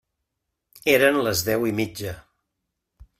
Eren les deu i mitja.